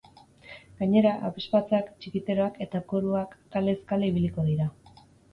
Gainera, abesbatzak, txikiteroak eta koruak kalez kale ibiliko dira.